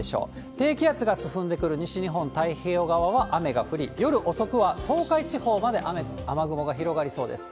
低気圧が進んでくる西日本太平洋側は雨が降り、夜遅くは東海地方まで雨雲が広がりそうです。